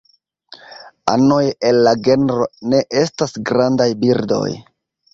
Anoj el la genro ne estas grandaj birdoj.